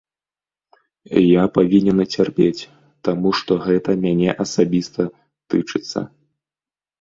Я павінен цярпець, таму што гэта мяне асабіста тычыцца.